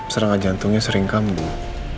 serangga jantungnya sering kambuh